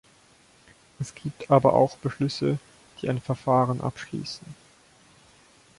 Es gibt aber auch Beschlüsse, die ein Verfahren abschließen.